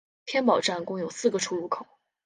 天宝站共有四个出入口。